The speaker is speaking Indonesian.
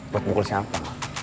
buat mukul siapa